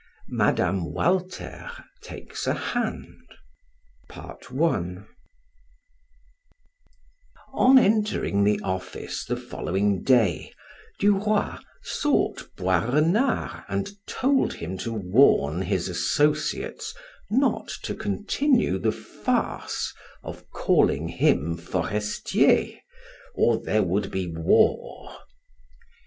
MADAME WALTER TAKES A HAND On entering the office the following day, Du Roy sought Boisrenard and told him to warn his associates not to continue the farce of calling him Forestier, or there would be war.